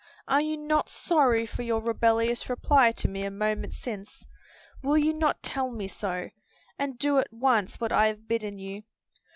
Are you not sorry for your rebellious reply to me a moment since? will you not tell me so, and do at once what I have bidden you?"